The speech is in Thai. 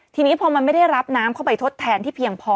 ทีนี้พอมันไม่ได้รับน้ำเข้าไปทดแทนที่เพียงพอ